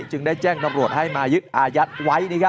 จึงได้แจ้งตำรวจให้มายึดอายัดไว้